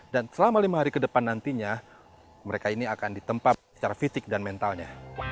dan selama lima hari ke depan nantinya mereka ini akan ditempat secara fisik dan mentalnya